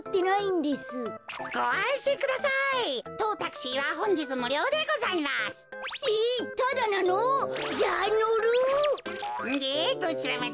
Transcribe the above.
でどちらまで？